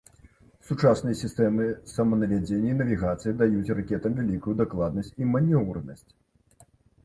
Сучасныя сістэмы саманавядзення і навігацыі даюць ракетам вялікую дакладнасць і манеўранасць.